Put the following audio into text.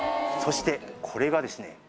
そしてこれがですね